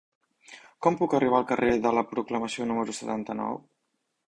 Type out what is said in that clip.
Com puc arribar al carrer de la Proclamació número setanta-nou?